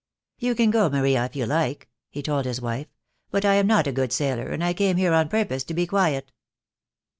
"You can go, Maria, if you like," he told his wife; "but I am not a good sailor, and I came here on pur pose to be quiet."